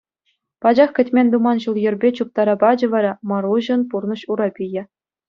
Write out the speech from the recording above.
Пачах кӗтмен-туман ҫул-йӗрпе чуптара пачӗ вара Маруҫӑн пурнӑҫ урапийӗ.